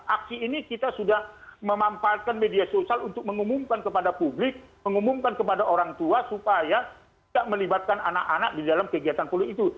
aksi ini kita sudah memamparkan media sosial untuk mengumumkan kepada publik mengumumkan kepada orang tua supaya tidak melibatkan anak anak di dalam kegiatan polik itu